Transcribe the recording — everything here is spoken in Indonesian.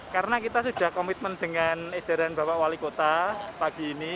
karena kita sudah komitmen dengan edaran bapak wali kota pagi ini